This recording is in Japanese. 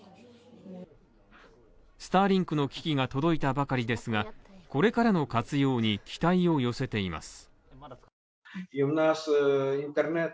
スターリンクの機器が届いたばかりですがこれからの活用に期待を寄せています。